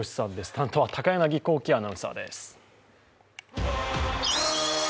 担当は高柳光希アナウンサーです。